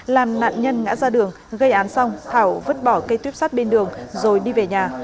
làm nạn nhân ngã ra đường gây án xong thảo vứt bỏ cây tuyếp sát bên đường rồi đi về nhà